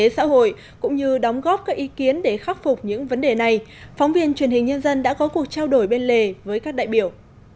kinh tế xã hội cũng như đóng góp các ý kiến để khắc phục những vấn đề này phóng viên truyền hình nhân dân đã có cuộc trao đổi bên lề với các đại biểu